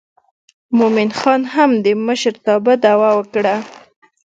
مومن خان هم د مشرتابه دعوه وکړه.